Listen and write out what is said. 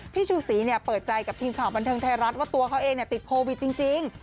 ชูศรีเปิดใจกับทีมข่าวบันเทิงไทยรัฐว่าตัวเขาเองติดโควิดจริง